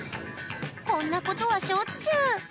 こんなことはしょっちゅう。